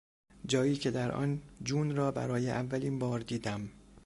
جایی که در آن جون را برای اولین بار دیدم